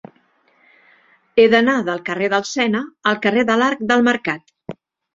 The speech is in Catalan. He d'anar del carrer del Sena al carrer de l'Arc del Mercat.